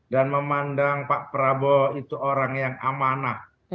memandang pak prabowo itu orang yang amanah